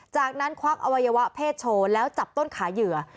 จากนั้นควักอวัยวะเพศโชว์แล้วจับต้นขาเหยื่อ